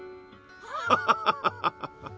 ハハハハ！